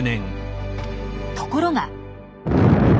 ところが。